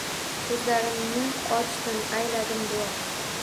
Ko‘zlarimni ochdim. Ayladim duo.